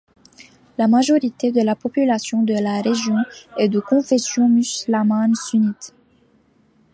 La majorité de la population de la région est de confession musulmane sunnite.